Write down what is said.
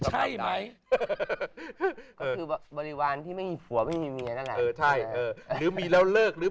ใช่ไหมก็คือบริวารที่ไม่มีผัวไม่มีเมียใช่หรือมีแล้ว